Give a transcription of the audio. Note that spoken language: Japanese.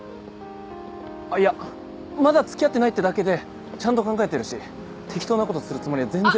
あいやまだ付き合ってないってだけでちゃんと考えてるし適当なことするつもりは全然。